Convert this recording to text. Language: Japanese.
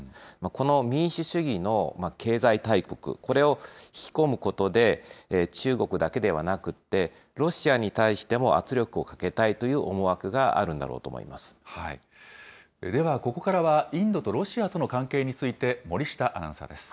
この民主主義の経済大国、これを引き込むことで、中国だけではなくて、ロシアに対しても圧力をかけたいという思惑があるんだろうではここからは、インドとロシアとの関係について森下アナウンサーです。